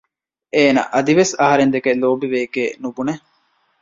އޭނަ އަދިވެސް އަހަރެން ދެކެ ލޯބިވެޔެކޭ ނުބުނެ